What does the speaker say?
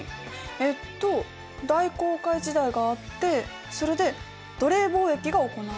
えっと大航海時代があってそれで奴隷貿易が行われて。